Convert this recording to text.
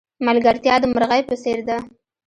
ملگرتیا د مرغی په څېر ده.